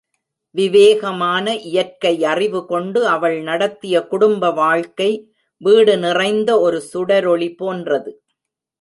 விவேகமான இயற்கை அறிவு கொண்டு அவள் நடத்திய குடும்ப வாழ்க்கை, வீடு நிறைந்த ஒரு சுடரொளி போன்றது.